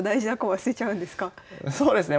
そうですね。